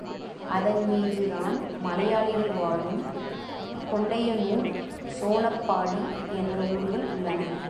அதன்மீது தான் மலையாளிகள் வாழும் கொண்டையனூர், சோனப்பாடி என்ற ஊர்கள் உள்ளன.